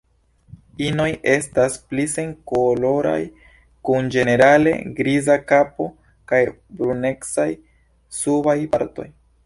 Inoj estas pli senkoloraj kun ĝenerale griza kapo kaj brunecaj subaj partoj.